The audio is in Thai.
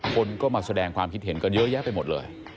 คนก็มาแสดงความคิดเห็นกันเยอะแยะไปหมดเลย